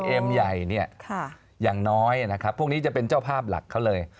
เอ็มใหญ่เนี่ยอย่างน้อยนะครับพวกนี้จะเป็นเจ้าภาพหลักเขาเลย